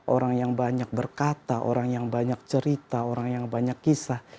orang yang banyak berkata orang yang banyak cerita orang yang banyak kisah